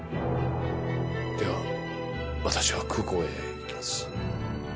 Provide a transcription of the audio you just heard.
では、私は空港へ行きます。